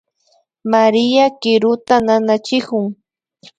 María kiruta nanachikun